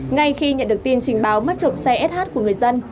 ngay khi nhận được tin trình báo mất trộm xe sh của người dân